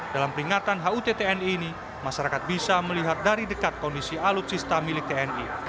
dalam peringatan hut tni ini masyarakat bisa melihat dari dekat kondisi alutsista milik tni